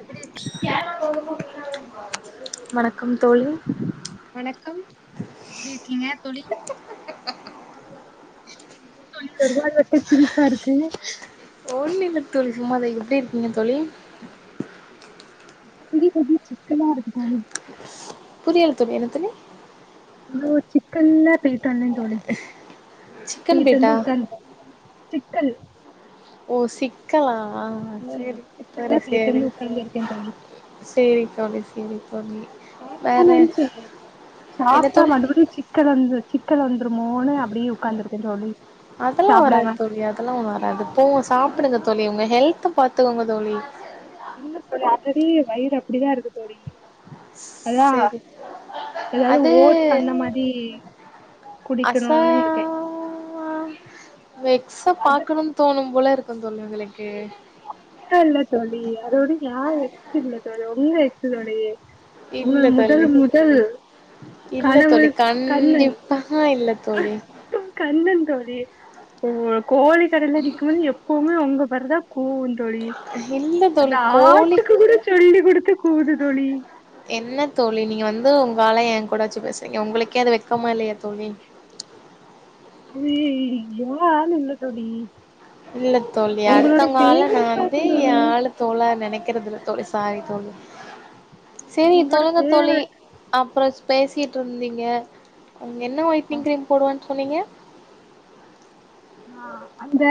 எப்டி இருக் வணக்கம் தோழி வணக்கம் எப்டி இருக்கீங்க தோழி ஒருவா வட்ட சிரிப்பா இருக்கு ஒன்னுல தோழி சும்மாதா எப்டி இருக்கீங்க தோழி புதிய புதிய சிக்கமா இருக்கு தோழி புரியல தோழி என்ன தோழி இவ்ளோ சிக்க [unintelligible] போயிட்டு வந்தே தோழி சிக்கன் போயிட்டு பேட்டா வந்து உக்காந்தே சிக்கல் ஓ சிக்கலா சேரி சரி [unintelligible] பேயிட்டு சேரி வந்து உக்காந்துருக்கே தோழி சேரி தோழி சேரி தோழி வேற என்ன சாப்பிட்டா தோழி மறுபடியும் சிக்கல் வந்து சிக்கல் வந்துருமோன்னு அப்படியே உட்காந்துருக்கேன்னு தோழி அதெல்லாம் சாப்டாம வராது தோழி அதெல்லாம் போங்க இல்ல சாப்பிடுங்க உங்க ஹெல்த பாத்துக்கோங்க தோழி இல்ல தோழி ஆல் ரெடி வயிறு அப்படிதான் இருக்கு தோழி அதான் சேரி ஏதாவது அது ஓட்ஸ் அந்த மாறி குடிக்கணும்னு இருக்கேன் ஆ உங்க எக்ஸ பாக்கணும்னு தோணும் போல இருக்கும் தோழி உங்களுக்கு இல்ல இல்ல தோழி அது ஒண்ணும் என் எக்ஸ் இல்ல தோழி ஒங்க எக்ஸ் தோழி உங்க இல்ல முதல் தோழி முதல் கனவுக் கண்ணன் ஆ இல்ல தோழி கண்ணன் தோழி கோழி கடைல நிக்கும்போது எப்பவுமே உங்க பறதான் கூவும் தோழி இல்ல அந்த தோழி கோழி ஆட்டுக்கு கூட சொல்லி குடுத்து கூவுது தோழி என்ன தோழி நீங்க வந்து உங்கால என் கூட வச்சு பேசுறீங்க உங்களுக்கே அது வெக்கமா இல்லையா தோழி அய்யோ அது என் ஆள் இல்ல தோழி இல்ல தோழி உங்களோட அடுத்தவங்க ஆள ஃபேவரட் நான் வந்து பர்சன் தோழி என் ஆளு ஆளா நினைக்கிறது இல்ல தோழி சாரி தோழி சரி உங்களோட சொல்லுங்க தோழி ஃபேவரட் அப்புறம் பேசிட்டு இருந்தீங்க அங்க என்ன ஒயிட்னிங் கிரீம் போடுவேன்னு சொன்னீங்க ஆ அந்த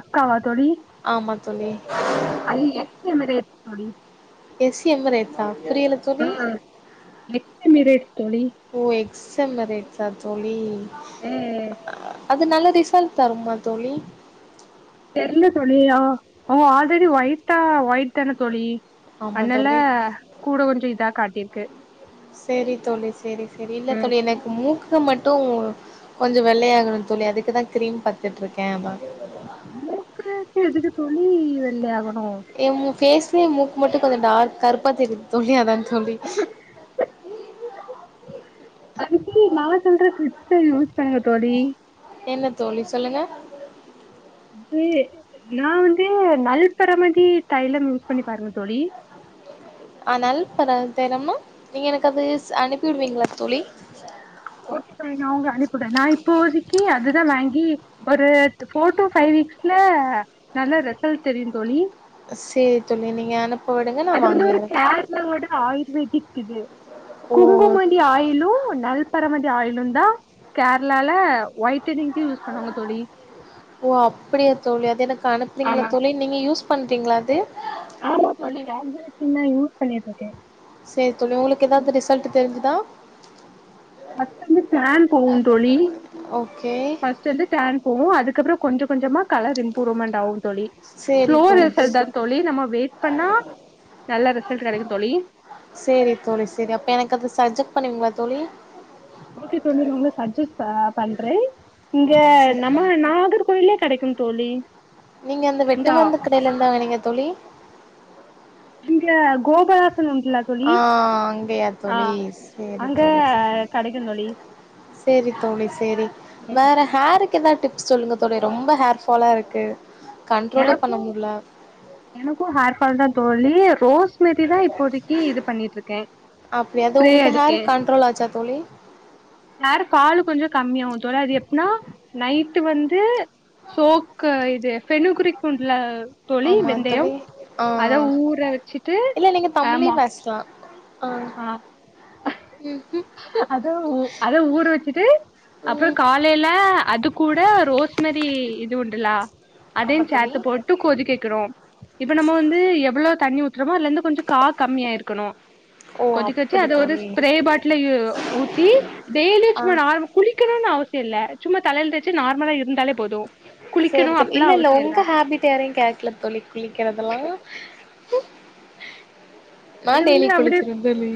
அக்காவா தோழி ஆமா தோழி அது எக்ஸ் [unintelligible] தோழி எஸ் எம் ரேட்டா புரியல ஆ தோழி நெக்ஸ்ட் இமிரேட் தோழி ஓ எக்ஸ் மெரேட்ஸ்ஸா தோழி ம் ம் அது நல்ல ரிசல்ட் தருமா தோழி தெர்ல தோழி அவ அவன் ஆல்ரெடி ஒயிட்டா ஒயிட் தானே தோழி ஆமா அந்நல தோழி கூட கொஞ்ச இதா காட்டிருக்கு செரி தோழி செரி செரி இல்ல ம் தோழி எனக்கு மூக் கு மட்டும் கொஞ்ச வெள்ளையாகணு அதுக்குதா க்ரீம் பாத்துட்ருக்கே அதா மூக்குக்கு எதுக்கு தோழி வெள்ளையாகணும் என் பேஸ்லயே மூக் மட்டும் கொஞ்ச டார்க்கா கருப்பா தெரியுது தோழி அதான் தோழி அது சரி நா சொல்ற டிப்ஸ்ஸ யூஸ் பண்ணுங்க தோழி என்ன தோழி சொல்லுங்க அது நா வந்து நல்பறமதி தைலம் யூஸ் பண்ணி பாருங்க தோழி ஆ நல் பர தென்மும் னா நீங்க எனக்கு அது அனுப்பி விடுவீங்களா தோழி ஓகே தோழி நா உங்க அனுப்பிவுடுறேன் நா இப்போதக்கி அதுதா வாங்கி ஒரு ஃபோர் டு ஃபைவ் வீக்ஸ்ல நல்ல ரெசல்ட் தெரியும் தோழி செரி தோழி நீங்க அனுப் அது வந்து ஒரு கேரளாவோட ஆயுர்வேதிக் இது ஓ குங்குமதி ஆயிலு நல்பரமதி ஆயிலு தா கேரளால வயிட்னிங்கு யூஸ் பண்ணுவாங்க தோழி ஓ அப்டியா தோழி அது எனக்கு அனுப்புவிங்களா ஆமா தோழி நீங்க யூஸ் பண்றீங்களா அது ஆமா தோழி வாங்கி வெச்சு நா யூஸ் பண்ணிட்ருக்கேன் செரி தோழி உங்களுக்கு எதாவது ரிசல்ட் தெரிஞ்சுதா ஃபஸ்ட் வந்து டேன் போகும் தோழி் ஓகே ஃப்ஸ் ஸ்ட் வந்து டேன் போகு அதுக்கப்புறோ கொஞ்சோ கொஞ்சமா கலர் இம்ப்ரூமெண்ட் ஆகு தோழி சேரி ஸ்லோ தோழி ரிசல்ட்தா தோழி நம்ம வெயிட் பண்ணா நல்ல ரிசல்ட் கெடைக்கு தோழி சேரி தோழி சேரி அப்ப எனக்கு அது சஜெக்ட் பண்ணுவீங்ளா தோழி ஓகே தோழி நா உங்ளுக் சஜெக்ட் ஆ பண்றே இங்க நம்ம நாகர்கோயிலே கெடைக்கு தோழி நீங்க அந்த இங்க வெட்டுமர்ந்து கடைல இர்தா வாங்னீங்க தோழி இங்க கோபுராசினுன்ட்ல ஆ அங்கயா தோழி சேரி அங்க தோழி சே கெடைக்கு தோழி சேரி தோழி சேரி வேற ஹேரு க்கு எதா டிப்ஸ் சொல்லுங்க தோழி ரொம்ப ஹேர்ஃபாலா இருக்கு கண்ட்ரோலே பண்ண எனக்கு முட்ல எனக்கு ஹேர் ஃபால்தா தோழி ரோஸ்மேரிதா இப்போதைக்கு இது பண்ணிட்ருக்கே அப்டியா அது ஸ்ப்ரே உங்ளுக்கு அடிக்க ஹேரு கண்ட்ரோல் ஆச்சா தோழி ஹேருஃபாலு கொஞ்சோ கம்மியாகு தோழி அது எப்புனா நைட்டு வந்து சோக்கு இது ஃபெனுகிரீக் உண்ட்ல தோழி ஆமா வெந்தயம் தோழி ஆ அத ஊற வச்சுட்டு ஆமா ஸ்ட்ரா ஆ ம் ம் அத ஊ அத ஊற வச்சுட்டு அப்றோ ம் கால் லேல அது கூட ரோஸ்மேரி இது உண்டுலா ஆமா அதையு தோழி சேத்து போ ட்டு கொதிக்க வைக்கணு இப்ப நம்ம வந்து எவுளோ தண்ணி ஊத்துறமோ அதுல இருந்து கொஞ்சு கா கம்மியா வே இருக்கணு ஓ கொதிக்க வச்சு அப்டி அத ஒரு தோழி ஸ்பிரே பாட்லயு ஊத்தி டெய்லி சும்மா ஆ நார்ம குளிக்கணுனு அவசிய இல்ல சும்மா தலைல் தேச்சு நார்மலா இருந்தாலே போது சேரி குளிக்கணு தோழி அப்பல்லா இல்ல இல்ல அவசியோ உங்க ஹேபிட்டேரையு கேக்குல தோழி குளிக்கறதுலா நா அது வந்து டெய்லி அப்புடி குளிச்சிருவே தோழி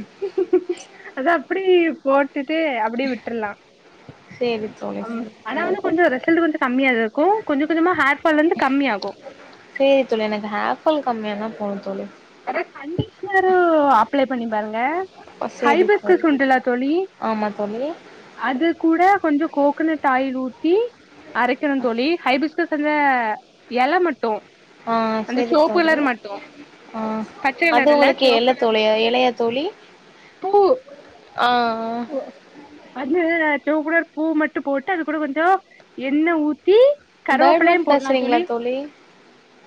அத அப்புடி போட்டுட்டு அப்டி விட்றுலா சேரி தோழி ஆ சேரி சேரி ஆனாலு கொஞ்சோ ரிசல்ட்டு வந்து கம்மியாதா இருக்கு கொஞ்சோ கொஞ்சமா ஹேர்ஃபால் வந்து கம்மியாகு சேரி தோழி எனக்கு ஹேர்ஃபால் கம்மியானா போது தோழி வேற கண்டிஷ்னரு அப்ளே பண்ணி பாருங்க ஓ சேரி ஹைபிஸ்கஸ் தோழி உண்டுல தோழி ஆமா தோழி அது கூட கொஞ்சோ கோக்கனட் ஆயில் ஊத்தி அரைக்கணுன் தோழி ஹைபிஸ்கஸ் சுல்ல எல மட்டு ஆ அந்த சேரி சிவப்பு தோழி கலர் மட்டு ஆ பச்ச அது கலர் இல்ல உங்ளுக்கு சிவப்பு எல்ல கலர் தோழி மட்டு எலையா தோழி பூ ஆ ஆ அந்த செவ்ப்பு கலர் பூ மட்டு போட்டு அது கூட கொஞ்சோ எண்ண ஊத்தி பேர்ட் கருவேப்புலையு வாட்ச் போட்லா பேசுறீங்களா தோழி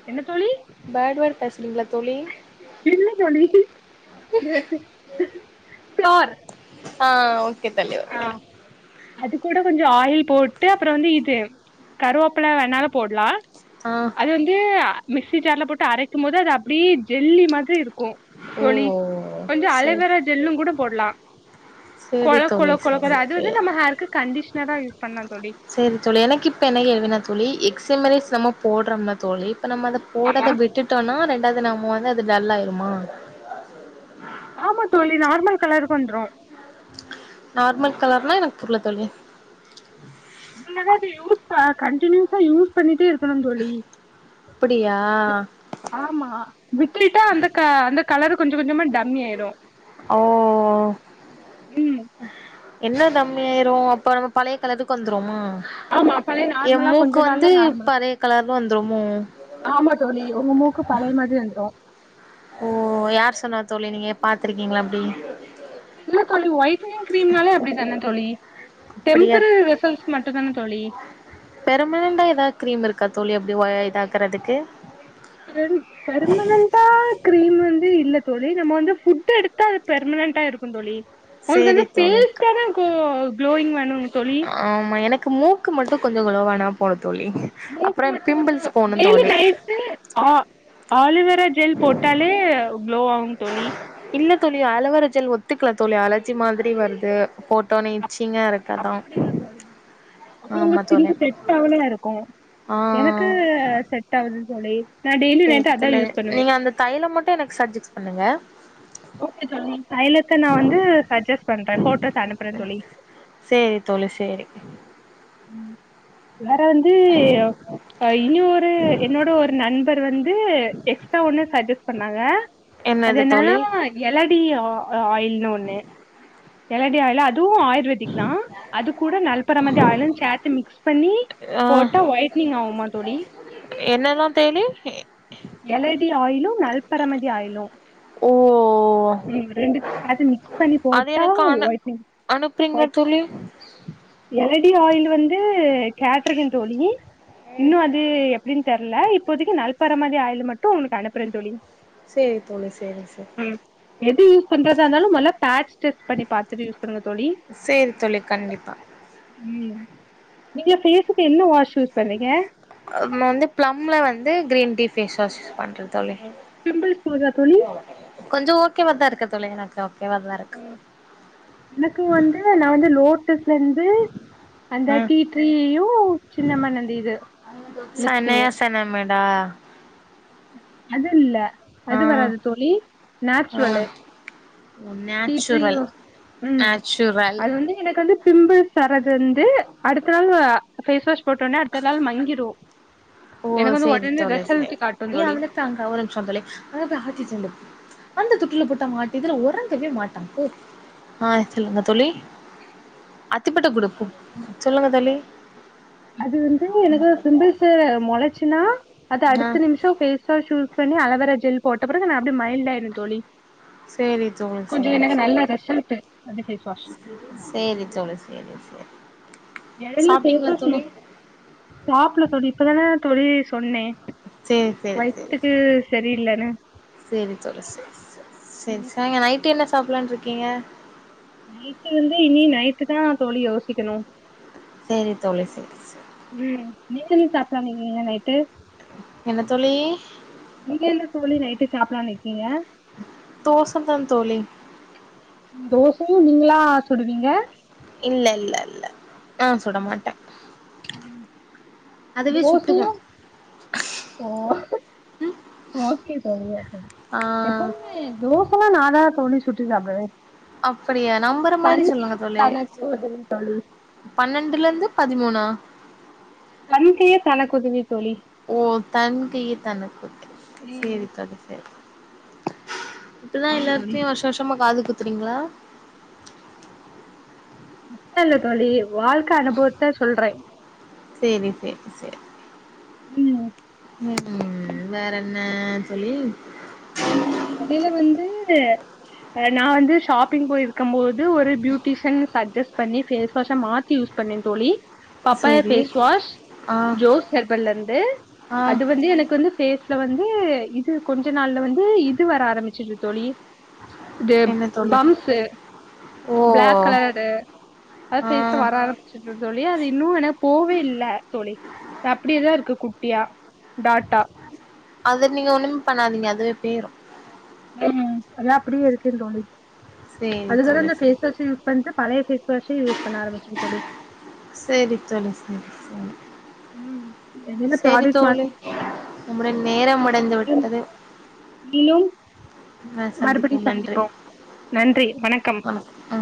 என்ன தோழி பேட்வேடு பேசுறீங்ளா தோழி இல்ல தோழி ஃபார் ஆ ஓகே தோழி அ ஓகே அது கூட கொஞ்சோ ஆயில் போட்டு அப்புறோ வந்து இது கருவப்புல வேணாலு போட்லா ஆ அது வந்து மிக்ஸி ஜார்ல போட்டு அரைக்குமோது அது அப்டி ஜெல்லி மாதிரி இருக்கு ஓ தோழி கொஞ்சோ சேரி அலவேரா ஜெல்லுங் கூட போட்லா செரி கொழ தோழி கொழ கொழ சேரி அது வந்து சேரி நம்ம ஹேர்கக்கு கண்டிஷனரா யூஸ் பண்லா தோழி சரி தோழி எனக்கு இப்ப என்ன கேள்வினா தோழி எக்ஸ் எமரைஸ் நம்ம போடுறோம்னா தோழி இப்போ நம்ம அத போடாத விட்டுட்டோன்னா ரெண்டாவது நம்ம வந்து அது டல்லாயிருமா ஆமா தோழி நார்மல் கலர்க்கு வந்துரு நார்மல் கலர்னா எனக்கு புர்ல தோழி நம்மதா இப்ப யூத்தா கன்டினியூசா யூஸ் பண்ணிட்டே இருக்கணும் தோழி அப்டியா ஆமா விட்டுட்டா அந்த க அந்த கலரு கொஞ்ச கொஞ்சமா டம்மி ஆயிரு ஓ ம் என்ன டம்மியாயிரு அப்ப நம்ம பழைய கலருக்கு வந்துருவோமா ஆமா பழைய எ நார்மலா கொஞ்ச மூக்கு நாள்ல வந்து நார்மல் பழைய கலர்ல வந்துருமோ ஆமா தோழி உங்க மூக்கு பழைய மாதிரி வந்துரு ஓ யார் சொன்னா தோழி நீங்க பாத்துருக்கீங்ளா அப்டி இல்ல தோழி வைட்னிங் கிரீம்னாலே அப்டி தான தோழி அப்டியா டெம்பரர் ரிசல்ட் மட்டு தான தோழி பெர்மனண்டா ஏதா கிரீம் இருக்கா தோழி அப்டி வ இதாக்குறதுக்கு ரெண் பெர்மனன்டா கிரீம் வந்து இல்ல தோழி நம்ம வந்து ஃபுட் எடுத்தா அது பெர்மனன்டா இருக்கு தோழி உங்ளுக்கு வந்து சேரி பேஸ் தோழி தான கோ க்ளோயிங் வேணு தோழி ஆமா எனக்கு மூக்கு மட்டு கொஞ்சோ குலோவானா போது தோழி அப்றோ பிம்பிள்ஸ் போணு தோழி ஸு ஆ ஆலிவேரா ஜெல் போட்டாலே க்ளோ ஆகும் தோழி இல்ல தோழி அலோவரா ஜெல் ஒத்துக்கல தோழி அலர்ஜி மாதிரி வருது போட்டோனே இச்சிங்கா இருக்கு அதா அப்டியா தோழி அப்ப உங்க ஆமா தோழி ஸ்கின்னுக்கு செட் ஆவலையா இருக்கு ஆ எனக்கு செட் ஆகுது தோழி நா டெய்லி சேரி நைட்டு அதா தோழி யூஸ் பண்ணுவே நீங்க அந்த தைலம் மட்டும் எனக்கு சட்ஜெக்ஸ் பண்ணுங்க ஓகே தோழி தைலத்த நா வந்து சஜஸ் பண்றே போட்டோஸ் அனுப்புறே தோழி சேரி தோழி சேரி ம் வேற வந்து அ இனி ஒரு என்னோட ஒரு நண்பர் வந்து எக்ஸ்ட்ரா ஒன்னு சஜஸ் சொன்னாங்க அது என்னது என்னன்னா தோழி எலடி ஆ ஆயில்னு ஒன்னு எலடி ஆயில் அதுவு ஆயுர்வேதிக் தா அது கூட நல்பறமதி ஆயிலுன் சேத்து மிக்ஸ் பண்ணி போட்டா ஒயிட்னிங் ஆகுமா தோழி என்னல்லா தேழி எலடி ஆயிலு நல்பறமதி ஆயிலு ஓ ம் ரெண்டத்தயு சேத்து மிக்ஸ் பண்ணி போட்டா ஒயிட்னிங் அனுப்புறீங்ளா ஒயிட் தோழி எலடி ஆயில் வந்து கேட்ருக்கே தோழி இன்னு அது எப்டின் தெர்ல இப்போதைக்கு நல்பறமதி ஆயில் மட்டு உங்ளுக்கு அனுப் அனுப்றே தோழி செரி தோழி செரி செரி ம் எது யூஸ் பண்றதா இருந்தாலு மொல்ல பேட்ச் டெஸ்ட் பண்ணி பாத்துட்டு யூஸ் பண்ணுங்க தோழி செரி தோழி கண்டிப்பா ம் நீங்க ஃபேஸ்க்கு என்ன வாஷ் யூஸ் பண்றீங்க நம்ம வந்து பிளம்ல வந்து green tea face wash use பண்றது தோழி பிம்பிள்ஸ் போகுதா தோழி கொஞ்ச ஓகேவா தா இருக்க தோழி எனக்கு ஓகேவாதா இருக்கு எனக்கும் வந்து நா வந்து லோட்டஸ்ல இருந்து அந்த ஆ டீ ட்ரீயும் சின்னமண்ணந்த இது மிக்சிங்கு [unintelligible] மேடா அது இல்ல ஆ அது வராது தோழி ஆ நேச்ரலு டீ டீரியு நேச்சுரல் ம் நேச்சுரல் அது வந்து எனக்கு வந்து பிம்பிள்ஸ் சர்றது வந்து அடுத்த நாள் ஃபேஸ் வாஷ் போட்டோனே அடுத்த நாள் மங்கிடு ஓ எனக்கு வந்து உடனே ரிசல்ட் காட்டும் தோழி தாங்க ஒரு நிமிஷ தோழி அதன ஆத்தி செ அந்த தொட்டுல போட்டு ஆட்டு இதுல உறங்கவே மாட்டா போ ஆ சொல்லுங்க தோழி அத்திப்பட்ட கொடுக்கும் சொல்லுங்க தோழி அது வந்து எனக்கு பிம்பள்ச முளச்சினா அது ஆ அடுத்த நிமிஷ ஃபேஸ் பேஸ் வாஷ் யூஸ் பண்ணி அலிவரா ஜெல் போட்ட பிறகு அது அப்டியே மயில்டா ஆயிரு தோழி சேரி தோழி கொஞ்ச சேரி எனக்கு சேரி நல்ல ரிசல்ட் அது ஃபேஸ் வாஷ் சேரி தோழி சேரி சேரி இடையில ஃபேஸ் சாப்ட்டீங்களா வாஸ் தோழி சாப்பல தோழி இப்பதான தோழி சொன்ன சேரி சேரி சேரி சரியில்லன்னு சேரி தோழி சேரி சேரி சேரி சாங்க நைட்டு் என்ன சாப்டலானு இருக்கீங்க நைட்டு வந்து இனி நைட்டு தா தோழி யோசிக்கணும் சேரி தோழி சேரி சேரி ம் நீங்க என்ன சாப்டலா இருங்கீங்க நைட்டு என்ன தோழி நீங்க என்ன தோழி நைட்டு சாப்டலாம்னு இருக்கீங்க தோச தா தோழி தோசயும் நீங்களா சுடுவீங்க இல்ல இல்ல இல்ல ஆ சுட மாட்ட அதுவே தோசையு சுட்டுக்கும் ஓ ஓகே தோழி ஓகே ஆ எப்பமே தோசலா நா தா தோழி சுட்டு சாப்டுவ அப்டியா நம்பற மாதிரி சொல்லுங்க தோழி தனக்கு உதவி தோழி பன்னெண்டுல இருந்து பதிமூணு தன் கையே தனக்குதவி தோழி ஓ தன் கையே தனக்குத்த ம் சேரி தோழி சேரி இப்டிதா ஆமா தோழி எல்லாருட்டையு வருஷ வருஷமா காது குத்துறீங்களா அப்ப இல்ல தோழி வாழ்க்க அனுபவத்த சொல்ற சேரி சேரி ம் ம் வேற என்ன தோழி எடையில வந்து நா வந்து ஷாப்பிங் போயிருக்கும் போது ஒரு பியூட்டிஷியன் சஜஸ்ட் பண்ணி ஃபேஸ் வாஷ மாத் யூஸ் பண்ண தோழி பப்பாயா சேரி ஃபேஸ் வாஷ் ஆ ஜோஸ் ஹேர்பன்லருந்து ஆ அது வந்து எனக்கு வந்து ஃபேஸ் ல வந்து இது கொஞ்ச நாள்ல வந்து இது வர ஆரம்பிச்சிருச்சு தோழி இது என்ன தோழி பம்ஸ்ஸு ஓ பிளாக் கலர்டு அது ஆ பேஸ்ல வரா ச்சிடு தோழி அது இன்னு எனக்கு போவே இல்ல தோழி அப்டியே தா இருக்கு குட்டியா டாட்டா அது நீங்க ஒண்ணுமே பண்ணாதீங்க அதுவே பேயிரும் ம் அதா அப்டியே இருக்கு தோழி சேரி அதுக்குதா நா தோழி இந்த சேரி பேஸ் வாஷே யூஸ் பண்ட்டு பழைய ஃபேஸ் வாஷே யூஸ் பண்ண ஆரம்பிச்சிட்ட தோழி சேரி தோழி சேரி தோழி ம் என்னென்ன செரி ப்ராடக்ட் தோழி மாத்தி நம்முடைய நேரம் முடிந்து விட்டது நீயும் மறுபடி சந்திப்போம் நன்றி வணக்கம் ஆ